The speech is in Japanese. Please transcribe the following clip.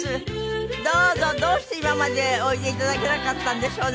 どうして今までおいでいただけなかったんでしょうね？